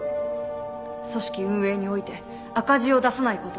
組織運営において赤字を出さないこと。